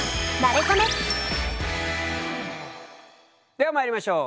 ではまいりましょう。